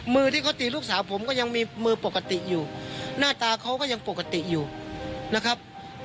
มือที่เขาตีลูกสาวผมก็ยังมีมือปกติอยู่หน้าตาเขาก็ยังปกติอยู่นะครับ